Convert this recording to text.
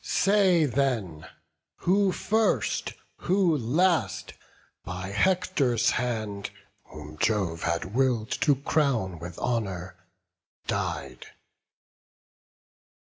Say then, who first, who last, by Hector's hand, Whom Jove had will'd to crown with honour, died.